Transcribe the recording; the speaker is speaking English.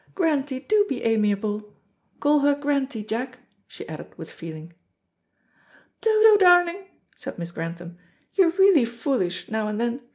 "Grantie, do be amiable. Call her Grantie, Jack," she added with feeling. "Dodo, darling," said Miss Grantham, "you're really foolish, now and then.